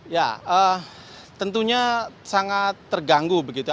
ya tentunya sangat terganggu begitu